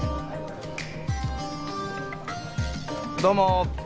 どうも。